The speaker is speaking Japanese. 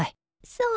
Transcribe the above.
そう？